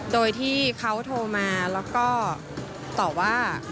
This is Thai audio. โดยที่เขาโทรมาแล้วก็ตอบว่า